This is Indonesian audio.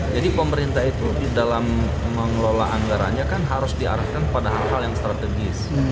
jadi pemerintah itu dalam mengelola anggarannya kan harus diarahkan pada hal hal yang strategis